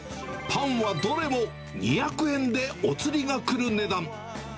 パンはどれも２００円でお釣りがくる値段。